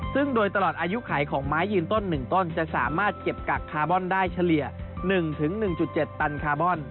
ซึ่งโดยตลอดอายุไขของไม้ยืนต้น๑ต้นจะสามารถเก็บกักคาร์บอนได้เฉลี่ย๑๑๗ตันคาร์บอน